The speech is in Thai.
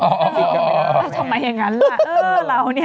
ทำไมอย่างนั้นล่ะเอ้อเราเนี่ย